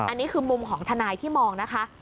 อันนี้คือมุมของทนายที่มองนะคะ